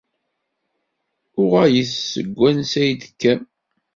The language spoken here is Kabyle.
Uɣalet seg wansa ay id-tekkam!.